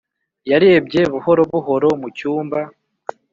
yarebye buhoro buhoro mu cyumba,